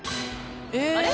あれ？